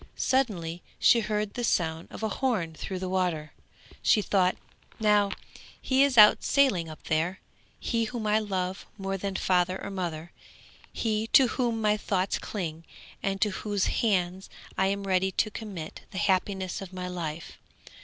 Suddenly she heard the sound of a horn through the water, and she thought, 'Now he is out sailing up there; he whom I love more than father or mother, he to whom my thoughts cling and to whose hands I am ready to commit the happiness of my life.